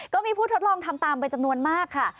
ก็มีผู้ทดลองทำตามไปจำนวนมากค่ะ